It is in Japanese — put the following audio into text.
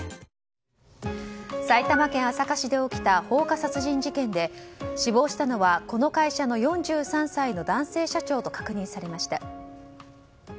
埼玉県朝霞市で起きた放火殺人事件で死亡したのはこの会社の４３歳の男性社長と確認されました。